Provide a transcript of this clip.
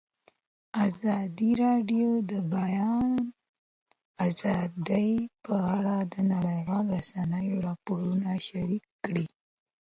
ازادي راډیو د د بیان آزادي په اړه د نړیوالو رسنیو راپورونه شریک کړي.